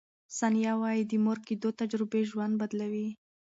ثانیه وايي، د مور کیدو تجربې ژوند بدلوي.